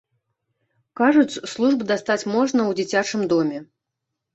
Кажуць, службу дастаць можна ў дзіцячым доме.